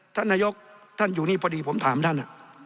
ท่านนายกท่านอยู่นี่พอดีผมถามท่าน